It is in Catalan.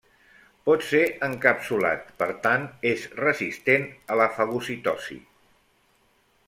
Pot ser encapsulat, per tant és resistent a la fagocitosi.